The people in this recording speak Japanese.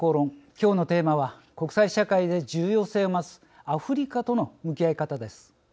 今日のテーマは国際社会で重要性を増すアフリカとの向き合い方です。